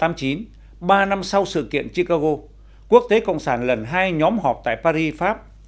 ngày hai mươi tháng sáu năm một nghìn tám trăm tám mươi chín ba năm sau sự kiện chicago quốc tế cộng sản lần hai nhóm họp tại paris pháp